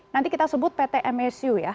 nanti kita sebut pt msu ya